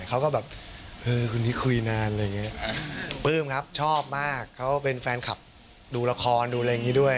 คุณนี่คุยนานปลื้มครับชอบมากเขาเป็นแฟนคลับดูละครดูอะไรอย่างนี้ด้วย